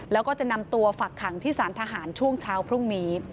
แล้วก็จะนำตัวฝักขังที่สารทหารช่วงเช้าพรุ่งนี้